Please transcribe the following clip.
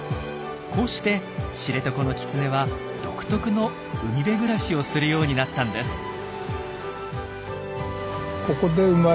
こうして知床のキツネは独特の海辺暮らしをするようになったんです。